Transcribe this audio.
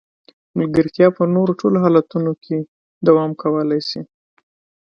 ملګرتیا په نورو ټولو حالتونو کې دوام کولای شي.